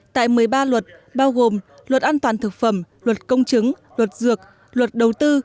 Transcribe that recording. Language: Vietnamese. tại một mươi ba luật bao gồm luật an toàn thực phẩm luật công chứng luật dược luật đầu tư